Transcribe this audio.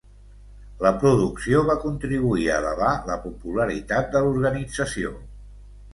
La producció va contribuir a elevar la popularitat de l'organització.